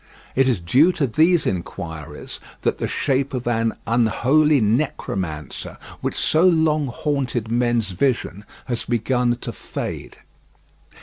It is due to these inquiries that the shape of an "unholy necromancer," which so long haunted men's vision, has begun to fade.